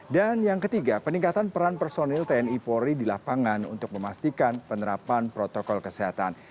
dan yang ketiga peningkatan peran personil tni polri di lapangan untuk memastikan penerapan protokol kesehatan